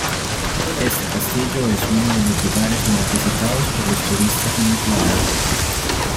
Este castillo es uno de los lugares más visitados por los turistas en Irlanda.